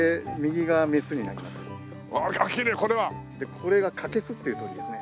これがカケスっていう鳥ですね。